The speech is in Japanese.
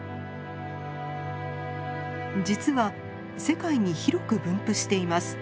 実は世界に広く分布しています。